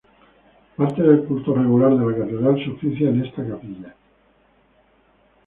Parte del culto regular de la Catedral se oficia en esta capilla.